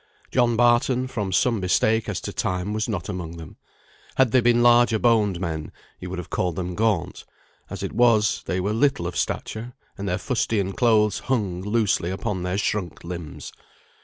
John Barton, from some mistake as to time, was not among them. Had they been larger boned men, you would have called them gaunt; as it was, they were little of stature, and their fustian clothes hung loosely upon their shrunk limbs.